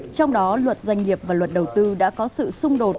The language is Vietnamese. trong đó luật doanh nghiệp và luật đầu tư đã có sự xung đột